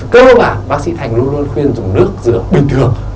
cơ bản bác sĩ thành luôn luôn khuyên dùng nước rửa bình thường